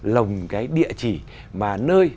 lồng cái địa chỉ mà nơi